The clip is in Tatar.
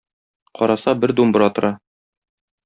Караса, бер думбра тора.